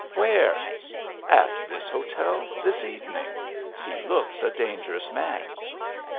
Where?' 'At that hotel, this evening. He looks a dangerous man.'